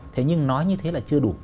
thế nhưng nói như thế là chưa đủ